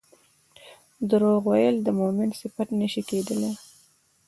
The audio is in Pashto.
دروغ ويل د مؤمن صفت نه شي کيدلی